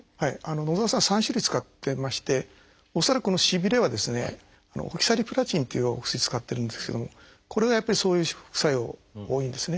野澤さんは３種類使ってまして恐らくこのしびれはですね「オキサリプラチン」っていうお薬使ってるんですけどもこれがやっぱりそういう副作用多いんですね。